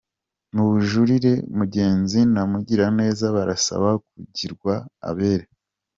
Mu bujurire, Mugenzi na Mugiraneza barasaba kugirwa abere